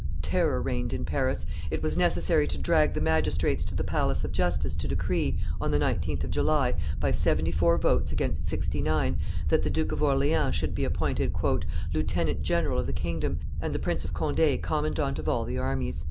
Terror reigned in Paris: it was necessary to drag the magistrates to the Palace of Justice to decree, on the 19th of July, by seventy four votes against sixty nine, that the Duke of Orleans should be appointed "lieutenant general of the kingdom, and the Prince of Conde commandant of all the armies."